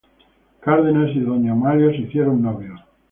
Cárdenas y doña Amalia se hicieron novios.